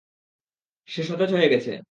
সে সতেজ হয়ে গেছে।